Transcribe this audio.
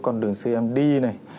con đường xem đi này